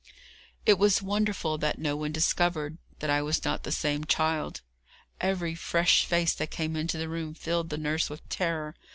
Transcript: "] It was wonderful that no one discovered that I was not the same child. Every fresh face that came into the room filled the nurse with terror.